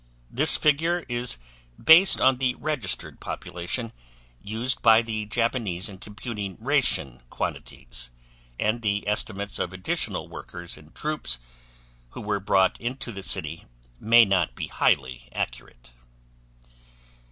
This figure is based on the registered population, used by the Japanese in computing ration quantities, and the estimates of additional workers and troops who were brought into the city may not be highly accurate.